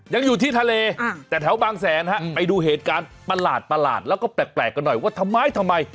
ยังอยู่ที่ทะเลแต่แถวบางแสนฮะไปดูเหตุการณ์ประหลาดแล้วก็แปลกกันหน่อยว่าทำไมทำไม